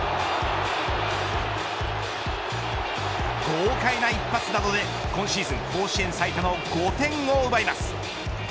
豪快な一発などで今シーズン甲子園最多の５点を奪います。